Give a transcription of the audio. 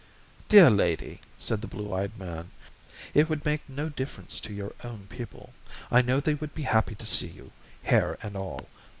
"Dear lady," said the blue eyed man, "it would make no difference to your own people. I know they would be happy to see you, hair and all.